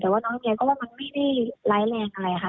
แต่ว่าน้องแกก็ว่ามันไม่ได้ร้ายแรงอะไรค่ะ